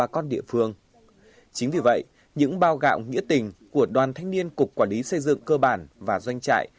của địa phương chính vì vậy những bao gạo nghĩa tình của đoàn thanh niên cục quản lý xây dựng cơ bản và doanh trại